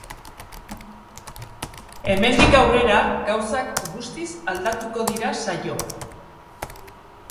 Hemendik aurrera, gauzak guztiz aldatuko dira saioan.